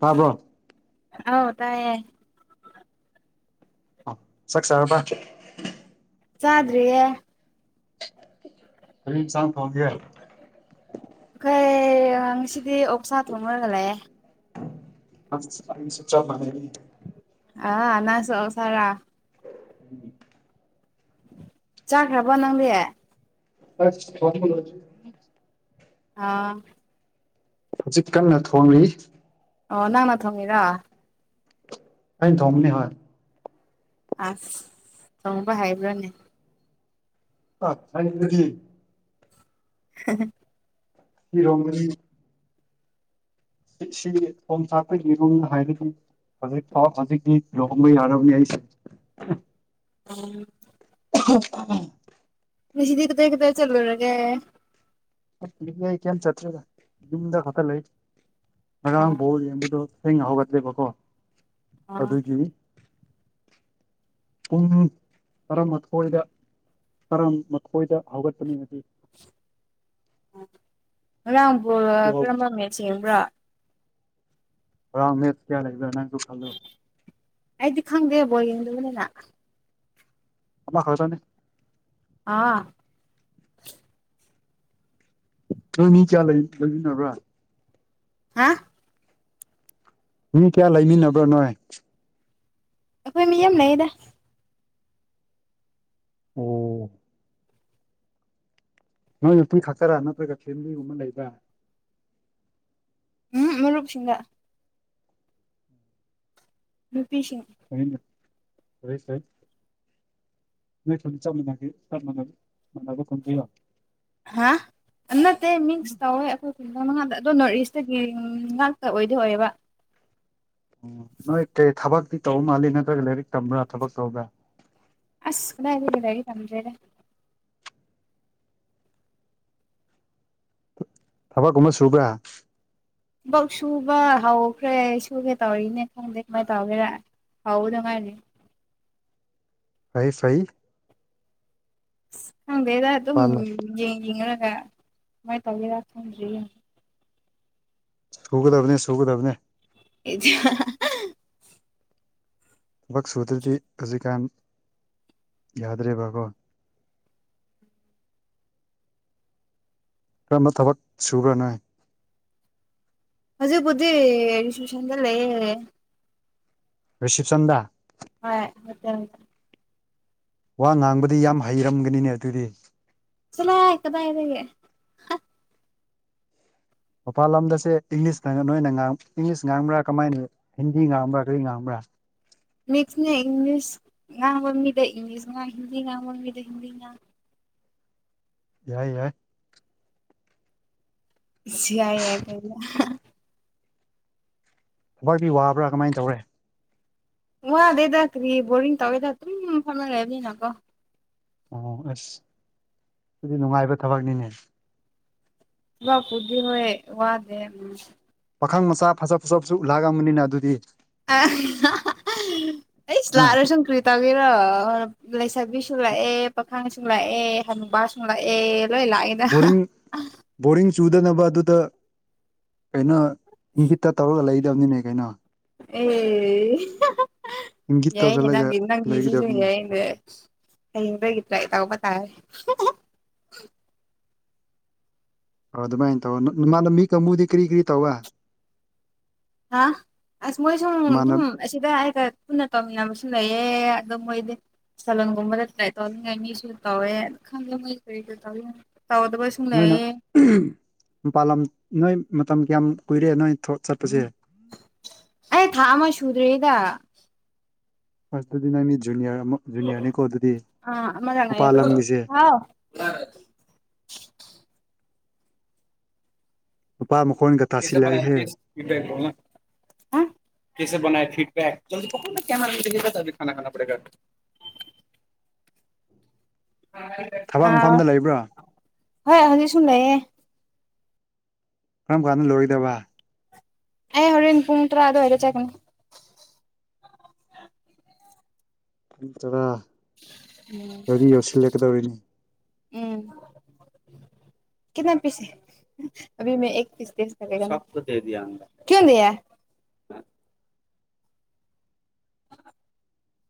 ꯇꯥꯕ꯭ꯔꯣ ꯑꯧ ꯇꯥꯏꯌꯦ ꯆꯥꯛ ꯆꯥꯔꯕ ꯆꯥꯗ꯭ꯔꯤꯍꯦ ꯀꯔꯤ ꯑꯦꯟꯁꯥꯡ ꯊꯣꯡꯒꯦ ꯑꯩꯈꯣꯏ ꯉꯁꯤꯗꯤ ꯑꯣꯛꯁꯥ ꯊꯣꯡꯔꯒ ꯂꯩꯑꯦ [unintelligible] ꯑ ꯅꯪꯁꯨ ꯑꯣꯛꯁꯔꯥ ꯎꯝ ꯆꯥꯈ꯭ꯔꯕ ꯅꯪꯗꯤ ꯑꯁ ꯊꯣꯡꯕ ꯂꯣꯏꯗꯔ꯭ꯤ ꯑꯥ ꯍꯧꯖꯤꯛ ꯀꯟꯅ ꯊꯣꯡꯂꯤ ꯑꯣ ꯅꯥꯟꯅ ꯊꯣꯡꯉꯔ ꯑꯩꯅ ꯊꯣꯡꯝꯅꯤ ꯍꯣꯏ ꯑꯁ ꯆꯪꯕ ꯍꯥꯏꯕ꯭ꯔꯥꯅꯦ ꯑ ꯊꯪꯗꯤ ꯍ ꯐꯤ ꯍꯣꯡꯒꯅꯤ ꯁꯤ ꯊꯣꯝ ꯆꯥꯛꯄ ꯌꯦꯔꯨꯝꯅ ꯍꯥꯏꯕ ꯑꯗꯨ ꯍꯧꯖꯤꯛ ꯍꯧꯖꯤꯛꯗꯤ ꯂꯍꯣꯡꯕꯩ ꯑꯔꯕꯤ ꯍꯥꯏ ꯎꯝ ꯎ ꯁꯤꯗꯤ ꯀꯗ ꯀꯗ ꯆꯜꯂꯨꯔꯒꯦ ꯑꯩ ꯀꯩ ꯆꯠꯇ꯭ꯔꯦꯗ ꯌꯨꯝꯗ ꯈꯛꯇ ꯂꯩ ꯉꯥꯔꯥꯡ ꯕꯣꯜꯌꯦꯡꯕꯗꯣ ꯊꯦꯡꯅ ꯍꯧꯒꯠꯂꯦꯕꯀꯣ ꯑꯣ ꯑꯗꯨꯒꯤ ꯄꯨꯡ ꯇꯔꯥꯃꯥꯊꯣꯏꯗ ꯇꯔꯥꯃꯥꯊꯣꯏꯗ ꯍꯧꯒꯠꯄꯅꯤꯕꯗꯤ ꯉꯔꯥꯡꯕꯨ ꯑꯗꯨ ꯀꯔꯝꯕ ꯉꯔꯥꯡ ꯃꯦꯁ ꯌꯦꯡꯕ꯭ꯔꯥ ꯑꯝꯃꯦ ꯀꯌꯥ ꯂ ꯂꯩ ꯅꯪꯒ ꯈꯜꯂꯣ ꯑꯩꯗꯤ ꯈꯪꯗꯦꯕꯣ ꯌꯦꯡꯗꯨꯅꯦꯅ ꯑꯃ ꯍꯁꯅꯦ ꯑꯥ ꯅꯣꯏ ꯃꯤ ꯀꯌꯥ ꯂꯩꯃꯤꯟꯅꯕ꯭ꯔꯥ ꯍꯥ ꯃꯤ ꯀꯌꯥ ꯂꯩꯃꯤꯟꯅꯕ꯭ꯔꯣ ꯅꯣꯏ ꯑꯩꯈꯣꯏ ꯃꯤ ꯑꯃ ꯂꯩꯗ ꯑꯣ ꯅꯣꯏ ꯅꯨꯄꯤ ꯈꯛꯇꯔꯥ ꯅꯠꯇ꯭ꯔꯒ ꯐꯦꯃꯤꯂꯤꯒꯨꯝꯕ ꯂꯩꯕ꯭ꯔꯥ ꯎꯝ ꯃꯨꯔꯨꯞꯁꯤꯡꯗ ꯔꯨꯄꯤꯁꯤꯡ ꯁꯥꯏ ꯁꯥꯏ ꯅ ꯈꯣꯂ ꯆꯝꯒꯦ ꯆꯅꯕ ꯈꯟꯖ ꯂꯣ ꯍꯥ ꯅꯠꯇꯦ ꯃꯤꯛꯁ ꯇꯧꯋꯦ ꯑꯩꯈꯣꯏ ꯈꯖꯪ ꯃꯉꯥꯗ ꯑꯗꯣ ꯅꯣꯔꯠ ꯏꯁꯇꯒꯤ ꯉꯥꯛꯇ ꯑꯣꯏꯗꯤ ꯑꯣꯏꯌꯦꯕ ꯑꯣ ꯅꯣꯏ ꯀꯩ ꯊꯕꯛꯇꯤ ꯇꯧꯕ ꯃꯥꯜꯂꯤ ꯅꯠꯇ꯭ꯔꯒ ꯂꯥꯏꯔꯤꯛ ꯇꯝꯕ꯭ꯔꯥ ꯊꯕꯛ ꯇꯧꯕ꯭ꯔꯥ ꯑꯁ ꯀꯥꯏꯗꯤꯒꯗꯔꯤ ꯇꯝꯗ꯭ꯔꯦꯗ ꯊꯕꯛ ꯑꯃ ꯁꯨꯕ꯭ꯔꯥ ꯕꯛ ꯁꯨꯕ ꯍꯧꯈ꯭ꯔꯦ ꯁꯨꯒꯦ ꯇꯧꯔꯤꯅꯦ ꯈꯪꯗꯦ ꯀꯃꯥꯏꯅ ꯇꯧꯒꯦꯔ ꯍꯥꯎꯗ ꯃꯥꯥꯏꯅꯦ ꯐꯩ ꯐꯩ ꯍꯪꯗꯦꯗ ꯑꯗꯨꯝ ꯄꯥꯜꯂꯣ ꯌꯦꯡ ꯌꯦꯡꯒ ꯀꯃꯥꯏꯅ ꯇꯧꯒꯦꯔ ꯈꯪꯗ꯭ꯔꯤ ꯁꯨꯒꯗꯕꯅꯦ ꯁꯨꯒꯗꯕꯅꯦ ꯏꯊꯤꯌꯥ ꯊꯕꯛ ꯁꯨꯗ꯭ꯔꯗꯤ ꯍꯧꯖꯤꯛꯀꯥꯟ ꯌꯥꯗ꯭ꯔꯦꯕꯀꯣ ꯀꯔꯝꯕ ꯊꯕꯛ ꯁꯨꯕ꯭ꯔ ꯅꯣꯏ ꯍꯧꯖꯤꯛꯕꯨꯗꯤ ꯔꯤꯁꯦꯞꯁꯟꯗ ꯂꯩꯌꯦ ꯔꯤꯁꯤꯞꯁꯟꯗꯗꯥ ꯍꯣꯏ ꯍꯣꯠꯇꯦꯜ ꯗ ꯋꯥ ꯉꯥꯡꯕꯗꯤ ꯌꯥꯝ ꯍꯩꯔꯝꯒꯅꯤꯅꯦ ꯑꯗꯨꯗꯤ ꯆꯂꯣꯍꯦ ꯀꯗꯥꯥꯏꯗꯒꯤ ꯃꯄꯥꯟ ꯂꯝꯗꯁꯦ ꯏꯪꯂꯤꯁꯇ ꯅꯣꯏꯅ ꯏꯪꯂꯤꯁ ꯉꯥꯡꯕ꯭ꯔꯥ ꯀꯃꯥꯏꯅ ꯍꯤꯟꯗꯤ ꯉꯥꯡꯕ꯭ꯔꯥ ꯀꯔꯤ ꯉꯥꯡꯕ꯭ꯔꯥ ꯃꯤꯁꯅꯦ ꯏꯪꯂꯤꯁ ꯉꯥꯡꯕ ꯃꯤꯗ ꯏꯪꯂꯤꯁ ꯉꯥꯡ ꯍꯤꯟꯗꯤ ꯉꯥꯡꯕ ꯃꯤꯗ ꯍꯤꯟꯗꯤ ꯉꯥꯡ ꯌꯥꯏ ꯌꯥꯏ ꯁꯤ ꯌꯥꯏ ꯌꯥꯏ ꯀꯥꯢꯅ ꯋꯥꯗꯤ ꯋꯥꯕ꯭ꯔꯥ ꯀꯃꯥꯏꯟ ꯇꯧꯔꯦ ꯋꯥꯗꯦꯗ ꯀ꯭ꯔꯤ ꯕꯣꯔꯤꯡ ꯇꯧꯔꯒ ꯐꯃ ꯐꯃ ꯂꯩꯕꯅꯤꯅꯒꯣ ꯑꯣ ꯑꯁ ꯑꯗꯨꯗꯤ ꯅꯨꯡꯉꯥꯏꯕ ꯊꯕꯛꯅꯤꯅꯦ ꯋꯥꯄꯨꯗꯤ ꯍꯣꯢ ꯋꯥꯗꯦ ꯄꯥꯈꯪ ꯃꯆꯥ ꯐꯖꯕ ꯐꯖꯕꯁꯨ ꯂꯥꯛꯂꯝꯒꯅꯤꯅ ꯑꯗꯨꯗꯤ [unintelligible] ꯑꯦ ꯏꯁ ꯑ ꯂꯥꯛꯔꯁꯨ ꯀꯔꯤ ꯇꯧꯒꯦꯔꯣ ꯂꯩꯁꯥꯕꯤꯁꯨ ꯂꯥꯛꯑꯦ ꯄꯥꯈꯥꯡꯁꯨ ꯂꯥꯛꯑꯦ ꯍꯅꯨꯕꯥꯁꯨ ꯂꯥꯛꯑꯦ ꯂꯣꯏ ꯂꯥꯛꯑꯦ ꯕꯣꯔꯤꯡ ꯕꯣꯔꯤꯡ ꯆꯨꯗꯅꯕ ꯑꯗꯨꯗ ꯀꯩꯅꯣ ꯏꯪꯒꯤꯠꯇ ꯇꯧꯔꯒ ꯂꯩꯗꯕꯅꯤꯅꯦ ꯀꯩꯅꯣ ꯑꯦ ꯏꯪꯒꯤꯠ ꯌꯥꯏꯅꯦ ꯇꯧꯁꯤꯜꯂꯒ ꯅꯪ ꯅꯪꯒꯤꯁꯤꯁꯨ ꯂꯩꯒꯗꯕꯅꯤ ꯌꯥꯏꯅꯦ ꯍꯌꯦꯡꯗꯒꯤ ꯇ꯭ꯔꯥꯢ ꯇꯥꯎꯕ ꯇꯥꯥꯔꯦ ꯑꯣ ꯑꯗꯨꯃꯥꯏꯅ ꯇꯧ ꯏꯃꯥꯅ ꯃꯤ ꯀꯥꯡꯕꯨꯗꯤ ꯀꯔꯤ ꯀꯔꯤ ꯇꯧꯋꯦ ꯍꯥ ꯑꯁ ꯃꯣꯏꯁꯨ ꯅꯃꯥꯟꯅ ꯇꯨꯝ ꯑꯁꯤꯗ ꯑꯩꯒ ꯄꯨꯟꯅ ꯇꯧꯃꯤꯟꯅꯕꯁꯨ ꯂꯩꯌꯦ ꯑꯗꯨ ꯃꯣꯏꯗꯤ ꯁꯂꯣꯟꯒꯨꯝꯕꯗꯥ ꯇꯧꯅꯤꯡꯉꯥꯏ ꯃꯤꯁꯨ ꯇꯧꯋꯦ ꯈꯪꯗꯦ ꯃꯣꯢ ꯀ꯭ꯔꯤ ꯀ꯭ꯔꯤ ꯇꯧ ꯇꯗꯕꯁꯨ ꯅꯣꯏꯅ ꯃꯄꯥꯥꯟ ꯂꯝ ꯅꯣꯏ ꯃꯇꯝ ꯀꯌꯥꯝ ꯀꯨꯏꯔꯦ ꯅꯣꯏ ꯊꯕꯛ ꯆꯠꯄꯁꯦ ꯑꯩ ꯊꯥ ꯑꯃ ꯁꯨꯗ꯭ꯔꯦꯗ ꯑꯁ ꯑꯗꯨꯗꯤ ꯅꯪꯒꯤ ꯖꯨꯅꯤꯌꯔ ꯑꯃ ꯖꯨꯅꯤꯌꯔꯅꯤꯀꯣ ꯑꯗꯨꯗꯤ ꯑꯥ ꯑꯃꯔꯛ ꯃꯄꯥꯜ ꯉꯥꯏꯌꯣꯀꯣ ꯂꯝꯒꯤꯁꯦ ꯍꯥꯎ [unintelligible] ꯅꯨꯄꯥ ꯃꯈꯣꯟ [unintelligible] ꯀꯦꯁꯦ ꯕꯅꯥꯌꯦ ꯐꯤꯗꯕꯦꯛ [unintelligible] ꯊꯕꯛ ꯑ ꯃꯐꯝꯗ ꯂꯩꯕ꯭ꯔꯥ ꯍꯣꯏ ꯍꯧꯖꯤꯛ ꯁꯨꯝ ꯂꯩꯌꯦ ꯀꯔꯝ ꯀꯥꯟꯗ ꯂꯣꯏꯗꯕ ꯑꯩ ꯍꯣꯔꯦꯟ ꯄꯨꯡ ꯇ꯭ꯔꯥ ꯑꯗꯨ ꯋꯥꯢꯗ ꯆꯠꯀꯦꯅ ꯃꯤꯆꯔꯥ ꯎꯝ ꯎꯝ ꯀꯤꯠꯅ ꯄꯤꯁ [unintelligible]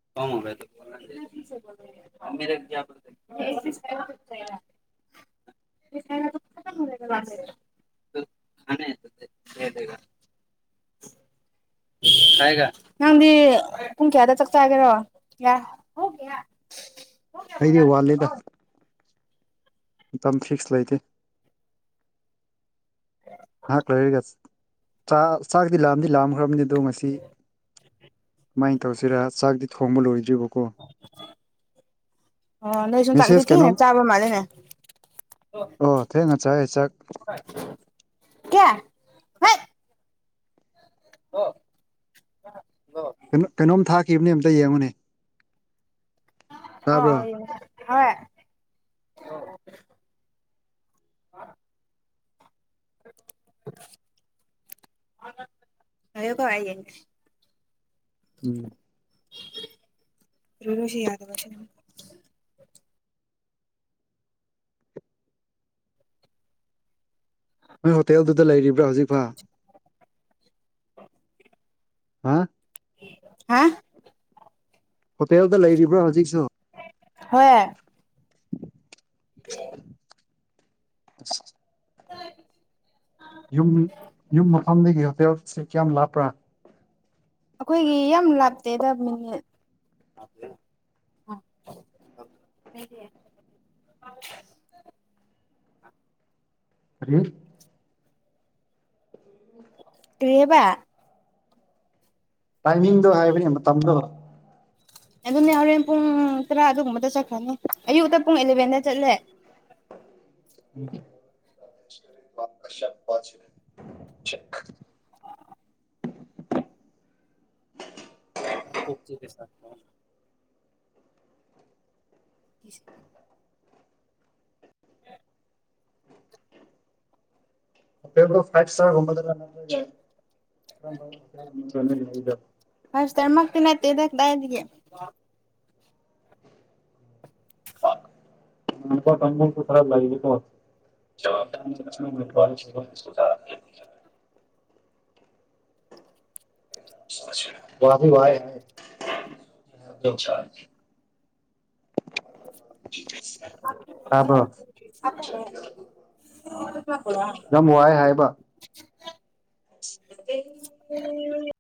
[unintelligible] [unintelligible] [inaudible] [unintelligible] [unintelligible] ꯅꯪꯗꯤ ꯄꯨꯡ ꯀꯌꯥꯗ ꯆꯥꯛ ꯆꯥꯒꯦꯔꯣ ꯌꯥ [inaudible] ꯑꯩꯗꯤ ꯋꯥꯠꯂꯦꯗ ꯃꯇꯝ ꯐꯤꯛꯁ ꯂꯩꯇꯦ ꯉꯥꯏꯍꯥꯛ ꯂꯩꯔꯒ ꯆꯥꯛ ꯆꯥꯛꯗꯤ ꯂꯥꯝꯗꯤ ꯂꯥꯝꯈ꯭ꯔꯕꯅꯤ ꯑꯗꯣ ꯉꯁꯤ ꯀꯃꯥꯏꯅ ꯇꯧꯁꯤꯔ ꯆꯥꯛꯇ ꯊꯣꯡꯕ ꯂꯣꯏꯗ꯭ꯔꯤꯕꯀꯣ ꯑꯣ ꯅꯣꯏ ꯆꯥꯛꯇꯤ ꯃꯦꯁꯦꯁ ꯊꯦꯡꯅ ꯀꯩꯅꯣꯝ ꯆꯥꯕ ꯃꯥꯜꯂꯤꯅꯦ ꯑꯣ ꯊꯦꯡ ꯅ ꯆꯥꯢ ꯆꯥꯛ ꯀꯌꯥ ꯑꯣ ꯀꯩꯅꯣꯝ ꯀꯩꯅꯣꯝ ꯊꯥꯈꯤꯕꯅꯦ ꯑꯝꯇ ꯌꯦꯡꯉꯨꯅꯦ ꯑꯣ ꯇꯥꯕ꯭ꯔꯣ ꯑꯣ ꯌꯦꯡꯒꯦ [inaudible] ꯉꯥꯏꯌꯨꯀꫭ ꯑꯌꯦꯡꯁꯤ ꯎꯝ ꯔꯨꯔꯨꯁꯤꯦꯌꯥꯗꯕꯁꯦ ꯅꯣꯏ ꯍꯣꯇꯦꯜꯗꯨꯗ ꯂꯩꯔꯤꯕ꯭ꯔꯥ ꯍꯧꯖꯤꯛꯐꯥꯎ [unintelligible] ꯍꯥ ꯍꯥ ꯍꯣꯇꯦꯜꯗ ꯂꯩꯔꯤꯕ꯭ꯔꯣ ꯍꯧꯖꯤꯛꯁꯨ ꯍꯣꯏ [inaudible] ꯌꯨꯝ ꯌꯨꯝ ꯃꯐꯝꯗꯒꯤ ꯍꯣꯇꯦꯜꯁꯦ ꯀꯌꯥꯝ ꯂꯥꯞꯄ꯭ꯔꯥ ꯑꯩꯈꯣꯏꯒꯤ ꯌꯥꯝ ꯂꯥꯞꯇꯦꯗ ꯃꯤꯅꯤꯠ ꯑ [inaudible] ꯀꯔꯤ ꯀꫪꯤ ꯍꯥꯏꯕ ꯇꯥꯏꯃꯤꯡꯗꯣ ꯍꯥꯏꯕꯅꯤ ꯃꯇꯝꯗꯣ ꯑꯗꯨꯅꯦ ꯍꯣꯔꯦꯟ ꯄꯨꯡ ꯇꯔꯥ ꯑꯗꯨꯒꯨꯝꯕꯗ ꯆꯠꯈ꯭ꯔꯅꯤ ꯑꯌꯨꯛꯇ ꯄꯨꯡ ꯑꯦꯂꯚꯦꯟꯗ ꯆꯠꯂꯦ [inaudible] [unintelligible] [unintelligible] ꯍꫭꯇꯦꯜꯗꫭ ꯉꯥꯏꯟ ꯁꯇꯥꫪꯒꯨꯝ [unintelligible] ꯐꯥꯏꯞ ꯁꯇꯔ ꯃꯛꯇꯤ ꯅꯠꯇꯦꯗ ꯀꯗꯥꯏꯗꯒꯤ [unintelligible] ꯋꯥꯗꯤ ꯋꯥꯏꯌꯦ ꯑꯗꯨ [inaudible] ꯇꯕꯔꫭ ꯌꯥꯝ ꯋꯥꯏ ꯍꯥꯏꯕ [unintelligible]